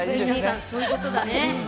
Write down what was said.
皆さん、そういうことだね。